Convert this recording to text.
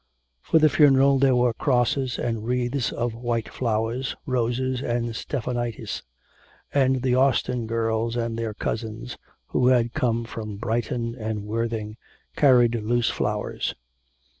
For the funeral there were crosses and wreaths of white flowers, roses, and stephanotis. And the Austin girls and their cousins, who had come from Brighton and Worthing, carried loose flowers.